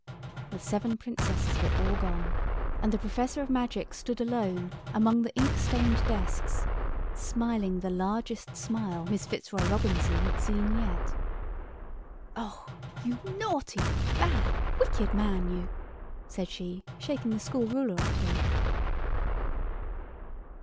The seven Princesses were all gone, and the Professor of Magic stood alone among the ink stained desks, smiling the largest smile Miss Fitzroy Robinson had seen yet. "Oh, you naughty, bad, wicked man, you!" said she, shaking the school ruler at him.